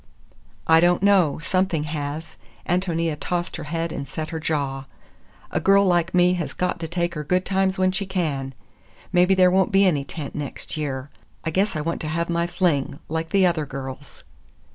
"I don't know, something has." Ántonia tossed her head and set her jaw. "A girl like me has got to take her good times when she can. Maybe there won't be any tent next year. I guess I want to have my fling, like the other girls."